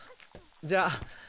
じゃあ。